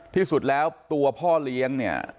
ที่สุดแล้วตัวพ่อเลี้ยงเนี่ย